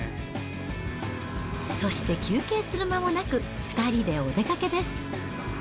そして休憩する間もなく、２人でお出かけです。